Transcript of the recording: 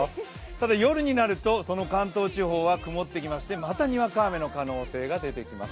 ただ夜になるとその関東地方は曇ってきましてまたにわか雨の可能性が出てきます。